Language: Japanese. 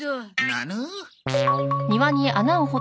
なぬ？